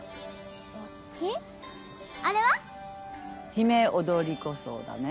ヒメオドリコソウだね。